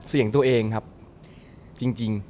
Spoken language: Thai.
เสียงตัวเองครับจริง